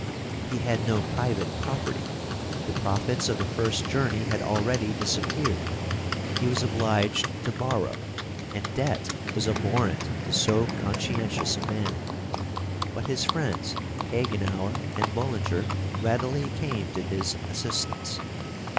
He had no private property; the profits of the first journey had already disappeared; he was obliged to borrow, and debt was abhorrent to so conscientious a man; but his friends Hagenauer and Bullinger readily came to his assistance.